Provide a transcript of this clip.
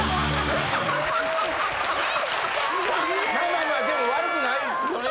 まあまあでも悪くないよね。